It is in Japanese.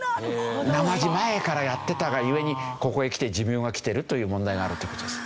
なまじ前からやってたが故にここへきて寿命がきてるという問題があるって事ですね。